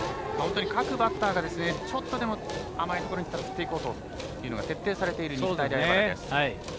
各バッターがちょっとでもあまいところにきたら振っていこうというのが徹底されている日体大荏原です。